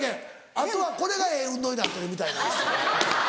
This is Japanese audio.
あとはこれがええ運動になってるみたいなんです。